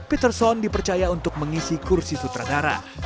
peterson dipercaya untuk mengisi kursi sutradara